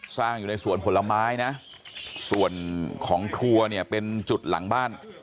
สร้างอยู่ในสวนผลไม้นะส่วนของครัวเนี่ยเป็นจุดหลังบ้าน